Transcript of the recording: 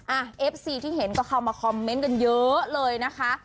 เอฟซีที่เห็นก็เข้ามาคอมเมนต์กันเยอะเลยนะคะ